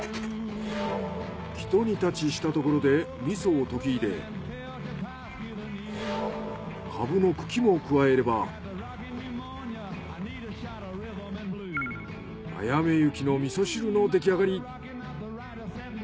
ひと煮立ちしたところで味噌を溶き入れかぶの茎も加えればあやめ雪の味噌汁の出来上がり。